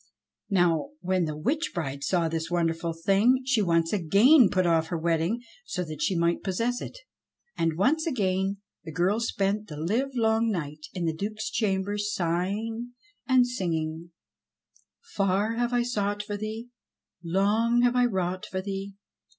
Now when the witch bride saw this wonderful thing she once again put off her wedding so that she might possess it. And once again the girl spent the livelong night in the Duke's chamber sighing and singing : "Far have I sought for thee, Long have I wrought for thee.